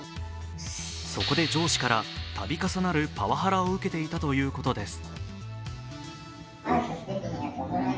そこで上司から、度重なるパワハラを受けていたということです。